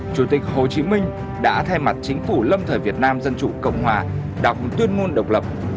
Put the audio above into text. chủ tịch hồ chí minh đã thay mặt chính phủ lâm thời việt nam dân chủ cộng hòa đọc tuyên ngôn độc lập